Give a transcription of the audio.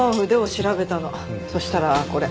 そしたらこれ。